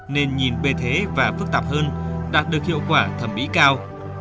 nên nhìn bề thế và phức tạp hơn đạt được hiệu quả thẩm mỹ cao